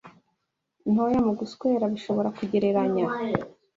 ntoya Mu guswera bishobora kugereranya